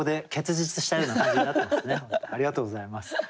ありがとうございます。